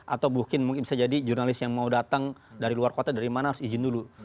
atau mungkin bisa jadi jurnalis yang mau datang dari luar kota dari mana harus izin dulu